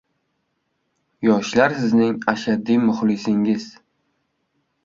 — Yoshlar Sizning ashaddiy muxlisingiz.